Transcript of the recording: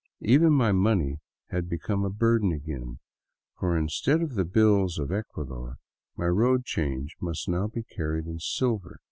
Even my money had become a burden again, for instead of the bills of Ecuador my *' road change " must now be carried in silver.